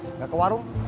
engga ke warung